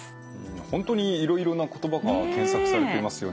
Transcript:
本当にいろいろな言葉が検索されていますよね。